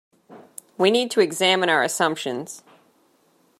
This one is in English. We need to examine our assumptions.